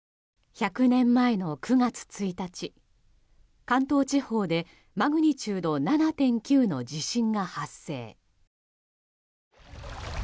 １００年前の９月１日関東地方でマグニチュード７．９の地震が発生。